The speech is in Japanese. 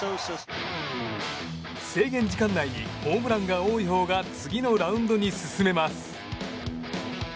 制限時間内にホームランが多いほうが次のラウンドに進めます。